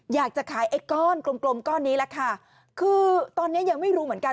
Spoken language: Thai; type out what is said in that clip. อยากจะขายไอ้ก้อนกลมกลมก้อนนี้แหละค่ะคือตอนเนี้ยยังไม่รู้เหมือนกัน